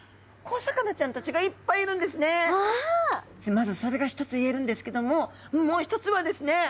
まずそれが一つ言えるんですけどももう一つはですね